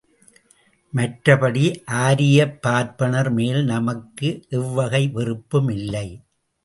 மற்றபடி ஆரியப் பார்ப்பனர் மேல் நமக்கு எவ்வகை வெறுப்பும் இல்லை.